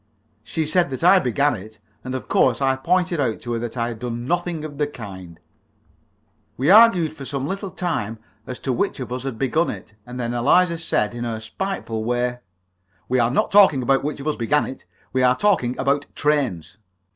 She said that I began it, and of course I pointed out to her that I had done nothing of the kind. We argued for some little time as to which of us had begun it, and then Eliza said, in her spiteful way "We are not talking about which of us began it; we are talking about trains!"